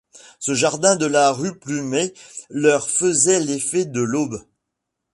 Ce jardin de la rue Plumet leur faisait l’effet de l’aube.